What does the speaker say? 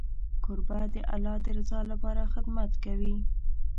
کوربه د الله د رضا لپاره خدمت کوي.